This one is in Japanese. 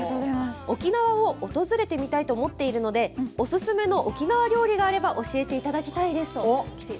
沖縄を訪れてみたいと思っているので、おすすめの沖縄料理があれば教えていただきたいです。